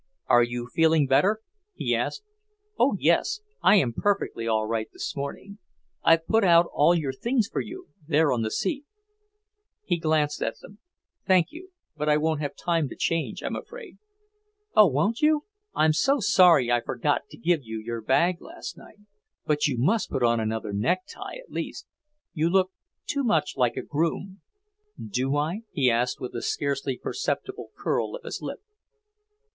"Are you feeling better?" he asked. "Oh, yes! I am perfectly all right this morning. I've put out all your things for you, there on the seat." He glanced at them. "Thank you. But I won't have time to change, I'm afraid." "Oh, won't you? I'm so sorry I forgot to give you your bag last night. But you must put on another necktie, at least. You look too much like a groom." "Do I?" he asked, with a scarcely perceptible curl of his lip.